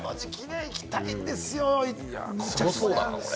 今年は行きたいんですよ。